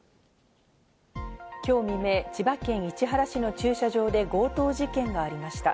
今日未明、千葉県市原市の駐車場で強盗事件がありました。